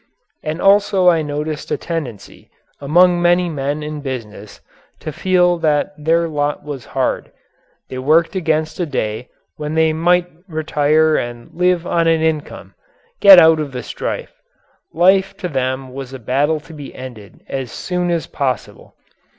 And also I noticed a tendency among many men in business to feel that their lot was hard they worked against a day when they might retire and live on an income get out of the strife. Life to them was a battle to be ended as soon as possible.